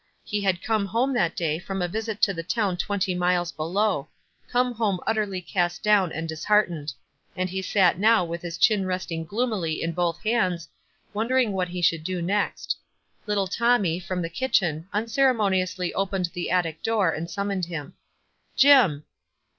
He had come home that day from a visit to the town twenty miles below — come home utterly cast down and dis heartened ; and he sat now with his chin rest ing gloomily in both hands, wondering what he should do next. Little Tommy, from the kitchen, unceremoniously opened the attic door, and summoned him. "Jim!"